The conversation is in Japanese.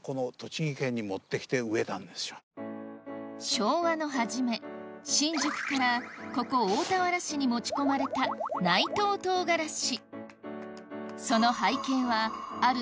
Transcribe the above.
昭和の初め新宿からここ大田原市に持ち込まれた内藤とうがらし